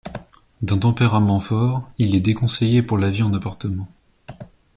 D'un tempérament fort, il est déconseillé pour la vie en appartement.